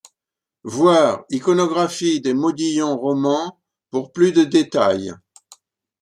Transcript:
Voir Iconographie des modillons romans pour plus de détails.